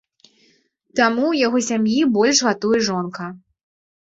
Таму ў яго сям'і больш гатуе жонка.